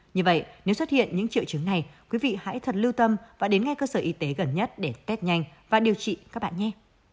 như vậy nếu xuất hiện những triệu chứng này quý vị hãy thật lưu tâm và đến ngay cơ sở y tế gần nhất để test nhanh và điều trị các bạn nhẹ